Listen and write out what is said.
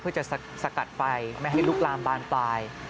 เพื่อจะสกัดไฟไม่ให้ลุกลามบานปลาย